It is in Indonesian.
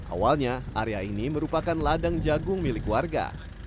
awalnya area ini merupakan ladang jagung milik warga